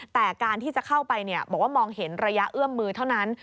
แต่การที่จะเข้าไปบอกว่ามองเห็นระยะเอื้อมมือเท่านั้น